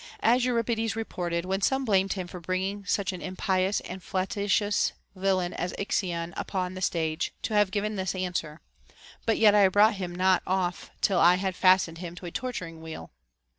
As Euripides is reported, when some blamed him for bringing such an impious and flagitious villain as Ixion upon the stage, to have given this answer : But yet I brought him not off till I had fas tened him to a torturing wheel.